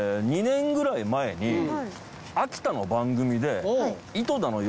２年ぐらい前に秋田の番組で。